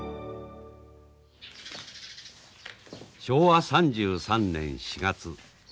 昭和３３年４月。